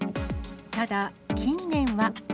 ただ、近年は。